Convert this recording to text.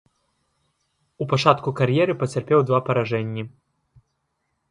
У пачатку кар'еры пацярпеў два паражэнні.